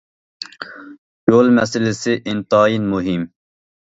يول مەسىلىسى ئىنتايىن مۇھىم.